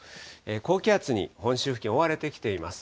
高気圧に本州付近覆われてきています。